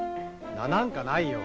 名なんかないよ。